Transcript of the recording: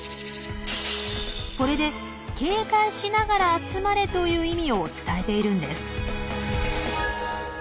これで「警戒しながら集まれ」という意味を伝えているんです。